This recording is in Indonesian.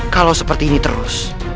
kalau seperti ini terus